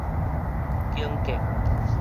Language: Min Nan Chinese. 間格